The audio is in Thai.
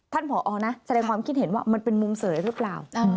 ท่านผอจะได้ความคิดเห็นว่ามันเป็นมุมเสยรึเปล่า